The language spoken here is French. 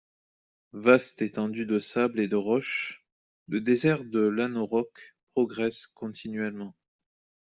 Vaste étendue de sable et de roche, le désert de l'Anauroch progresse continuellement.